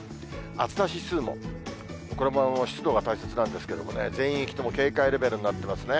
暑さ指数も、これも湿度が大切なんですけれどもね、全域とも警戒レベルになってますね。